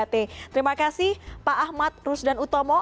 terima kasih pak ahmad rusdan utomo